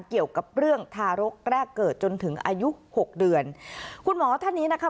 เกี่ยวกับเรื่องทารกแรกเกิดจนถึงอายุหกเดือนคุณหมอท่านนี้นะคะ